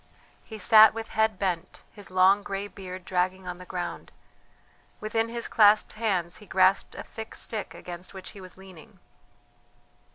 He sat with head bent, his long grey beard dragging on the ground; within his clasped hands he grasped a thick stick against which he was leaning.